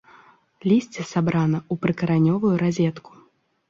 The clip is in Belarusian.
Лісце сабрана ў прыкаранёвую разетку.